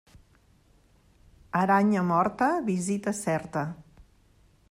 Aranya morta, visita certa.